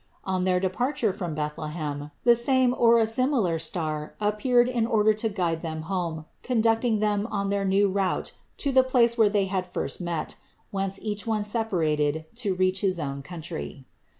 On their departure from Bethlehem the same or a similar star appeared in order to guide them home, conducting them on their new route to the place where they had first met, whence each one separated to reach his own country.